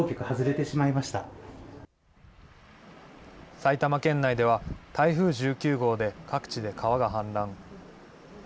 埼玉県内では、台風１９号で各地で川が氾濫。